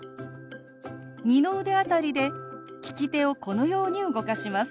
二の腕辺りで利き手をこのように動かします。